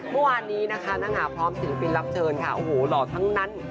เมื่อวานนี้นะคะนางหาพร้อมศิลปินรับเชิญค่ะโอ้โหหล่อทั้งนั้น